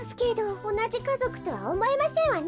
おなじかぞくとはおもえませんわね。